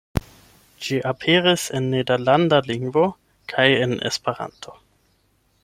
Ĝi aperis en nederlanda lingvo kaj en Esperanto.